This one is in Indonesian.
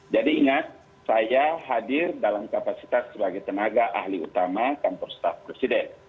jadi ingat saya hadir dalam kapasitas sebagai tenaga ahli utama kantor staff presiden